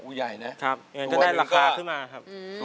อ๋ออุ๊ยใหญ่นะครับก็ได้ราคาขึ้นมาครับ